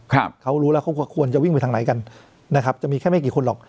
ครับเขารู้แล้วเขาควรจะวิ่งไปทางไหนกันนะครับจะมีแค่ไม่กี่คนหรอก